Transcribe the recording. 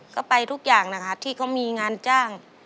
ก็ไปทุกอย่างนะคะที่เขามีงานจ้าง